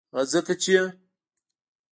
هغه ځکه چې